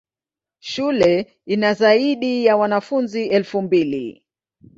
Shule ina zaidi ya wanafunzi elfu mbili.